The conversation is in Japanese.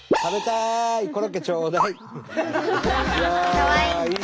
かわいい！